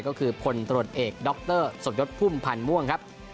ก็คือพลตรวจเอกดรสมยศพุ่มพันธ์ม่วงครับ